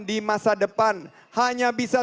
di masa depan hanya bisa